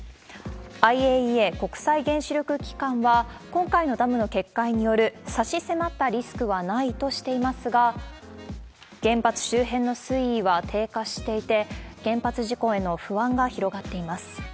ＩＡＥＡ・国際原子力機関は、今回のダムの決壊による差し迫ったリスクはないとしていますが、原発周辺の水位は低下していて、原発事故への不安が広がっています。